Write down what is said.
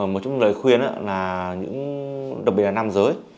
một số lời khuyên đặc biệt là nam giới